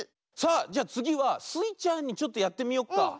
さあじゃつぎはスイちゃんちょっとやってみよっか。